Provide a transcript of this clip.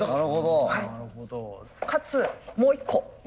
かつもう一個。